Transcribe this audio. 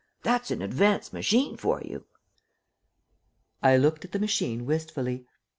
That's an advanced machine for you!" I looked at the machine wistfully.